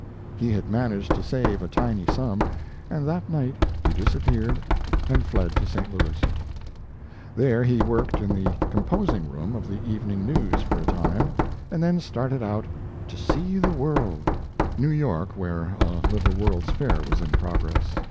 He had managed to save a tiny sum, and that night he disappeared and fled to St Louis. There he worked in the composing room of the Evening News for a time, and then started out "to see the world" New York, where a little World's Fair was in progress.